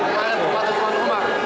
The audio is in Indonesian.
kemarin berbatas tuan lomas